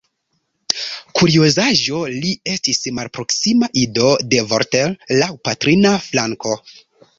Kuriozaĵo: li estis malproksima ido de Voltaire, laŭ patrina flanko.